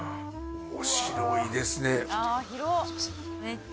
面白いですね。